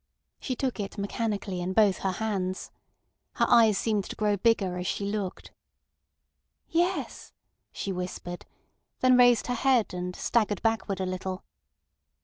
She took it mechanically in both her hands. Her eyes seemed to grow bigger as she looked. "Yes," she whispered, then raised her head, and staggered backward a little.